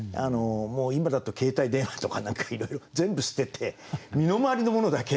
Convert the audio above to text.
もう今だと携帯電話とか何かいろいろ全部捨てて身の回りの物だけ。